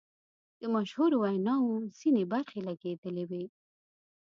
د مشهورو ویناوو ځینې برخې لګیدلې وې.